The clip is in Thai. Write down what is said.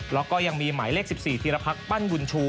แล้วก็ยังมีหมายเลข๑๔ธีรพรรคปั้นบุญชู